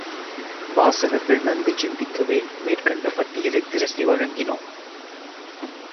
வாசகர்கள் நன்கு சிந்திக்கவே மேற்கண்ட பட்டியலைத் திரட்டி வழங்கினோம்!